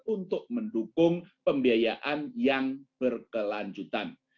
untuk mendukung pembiayaan yang berkelanjutan